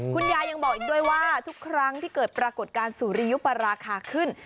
คุณยายยังบอกอีกด้วยว่าทุกครั้งที่เกิดปรากฏการณ์สุริยุปราคาขึ้น